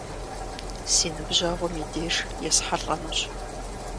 Си ныбжьэгъум и деж есхьэлӀэнущ.